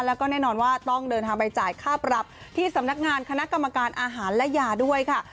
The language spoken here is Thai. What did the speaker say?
แล้วก็แน่นอนว่าต้องเดินทางไปจ่ายค่าปรับที่สำนักงานคณะกรรมการอาหารและยาด้วยค่ะ